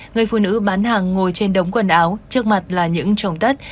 người phụ nữ bán hàng ngồi trên đống quần áo trước mặt là những trồng tất